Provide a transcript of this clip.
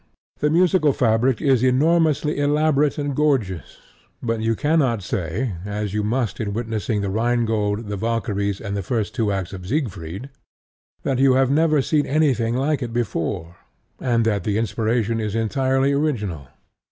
The musical fabric is enormously elaborate and gorgeous; but you cannot say, as you must in witnessing The Rhine Gold, The Valkyries, and the first two acts of Siegfried, that you have never seen anything like it before, and that the inspiration is entirely original.